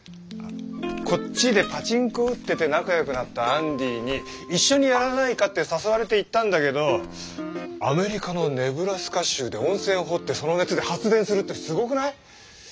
こっちでパチンコ打ってて仲良くなったアンディに一緒にやらないかって誘われて行ったんだけどアメリカのネブラスカ州で温泉掘ってその熱で発電するってすごくない？